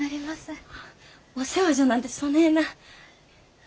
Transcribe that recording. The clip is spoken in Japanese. あお世話じゃなんてそねえな。